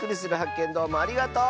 けんどうもありがとう！